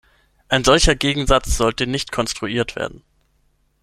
Ein solcher Gegensatz sollte nicht konstruiert werden.